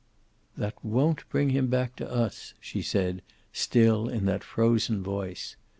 "That won't bring him back to us," she said, still in that frozen voice.